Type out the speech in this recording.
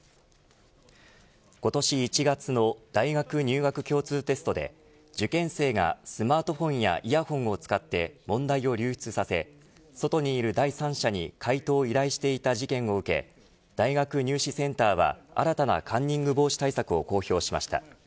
今年１月の大学入学共通テストで受験生がスマートフォンやイヤホンを使って問題を流出させ外にいる第三者に解答を依頼していた事件を受け大学入試センターは、新たなカンニング防止対策を公表しました。